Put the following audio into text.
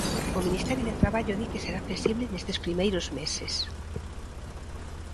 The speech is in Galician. O Ministerio de Traballo di que será flexible nestes primeiros meses.